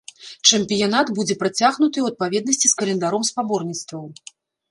Чэмпіянат будзе працягнуты ў адпаведнасці з календаром спаборніцтваў.